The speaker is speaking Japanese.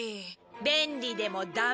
便利でもダメ！